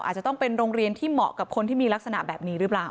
อาจจะต้องเป็นโรงเรียนที่เหมาะกับคนที่มีลักษณะแบบนี้หรือเปล่า